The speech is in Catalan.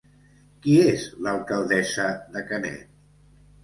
Qui és l'alcaldessa de Canet?